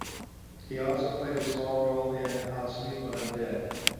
He also played a small role in "I'll Sleep When I'm Dead".